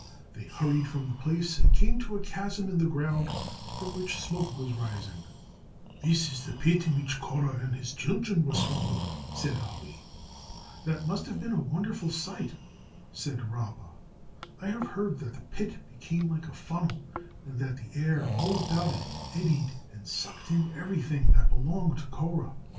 They hurried from the place and came to a chasm in the ground from which smoke was rising. "This is the pit in which Korah and his children were swallowed," said Ali. "That must have been a wonderful sight," said Rabba. "I have heard that the pit became like a funnel and that the air all about eddied and sucked in everything that belonged to Korah.